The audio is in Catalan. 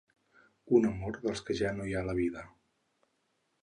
Un amor dels que ja no hi ha a la vida.